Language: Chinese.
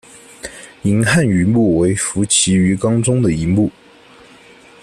银汉鱼目为辐鳍鱼纲的其中一目。